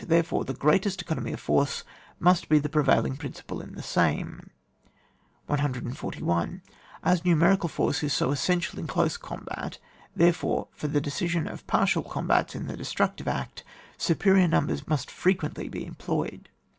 therefore the greatest economy of force must be the prevailing principle in the same. 141. As numerical force is so essential in close combat, therefore for the decision of partial combats in the destructive act, superior numbers must frequently be employed.